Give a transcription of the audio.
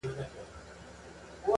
په دنیا کي « اول ځان پسې جهان دی »؛